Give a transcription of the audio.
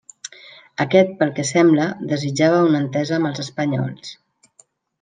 Aquest, pel que sembla, desitjava una entesa amb els espanyols.